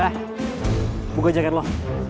eh buka jaket lo